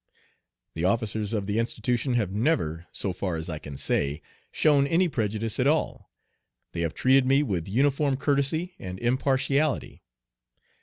The officers of the institution have never, so far as I can say, shown any prejudice at all. They have treated me with uniform courtesy and impartiality.